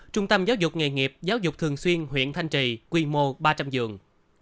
trung tâm giáo dục nghề nghiệp giáo dục thường xuyên huyện thanh trì quy mô ba trăm linh giường